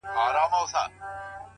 يو يې حسن بل شباب دے لاجواب دے